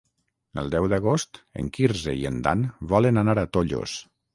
El deu d'agost en Quirze i en Dan volen anar a Tollos.